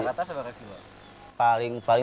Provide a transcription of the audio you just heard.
rata rata sebarang kilo sampah di sungai citarum